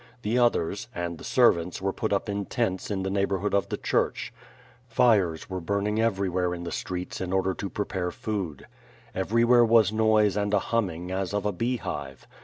The others, and the servants were put up in tents in the neighborhood of the church; fires were burning every where in the streets in order to prepare food. Everywhere was noise and a humming, as of a beehive.